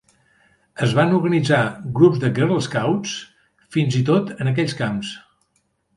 Es van organitzar grups de girl scouts, fins-i-tot en aquells camps.